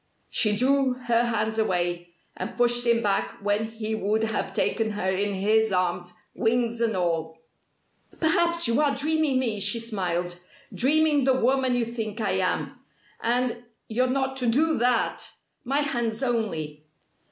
She drew her hands away, and pushed him back when he would have taken her in his arms, wings and all. "Perhaps you are dreaming me!" she smiled, "Dreaming the woman you think I am. And you're not to do that! My hands only!"